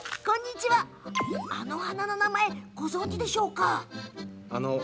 あのお花の名前、ご存じですか？